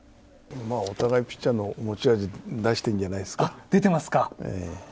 お互いピッチャーの持ち味、出してるんじゃないですか。